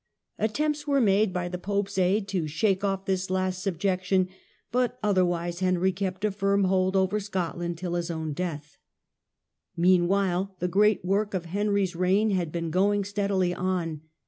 Attempts were made, by the pope's aid, to shake off this last subjec tion, but otherwise Henry kept a firm hold over Scotiand till his own death. Meanwhile the great work of Henry's reign had been going steadily on.